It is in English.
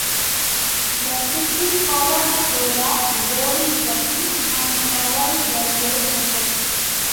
The city powered through the Roaring Twenties and survived the Great Depression.